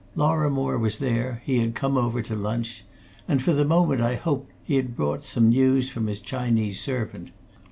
Lorrimore was there, he had come over to lunch, and for the moment I hoped that he had brought some news from his Chinese servant.